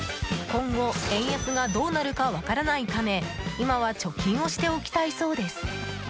今後、円安がどうなるか分からないため今は貯金をしておきたいそうです。